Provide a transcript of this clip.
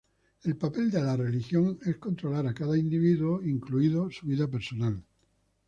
El papel de la religión es controlar a cada individuo, incluido su vida personal.